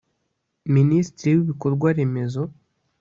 Minisitiri w Ibikorwa Remezo